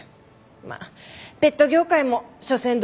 まあペット業界もしょせん動物は動産。